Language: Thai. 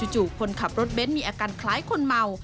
คนขับรถเบ้นมีอาการคล้ายคนเมา